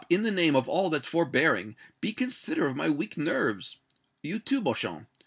in the name of all that's forbearing, be considerate of my weak nerves! You, too, Beauchamp.